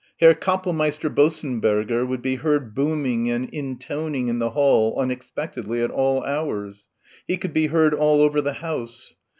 Herr Kapellmeister Bossenberger would be heard booming and intoning in the hall unexpectedly at all hours. He could be heard all over the house.